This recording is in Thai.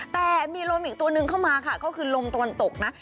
แต่มีลมอีกตัวนึงเข้ามาค่ะก็คือลมตะวันตกนะ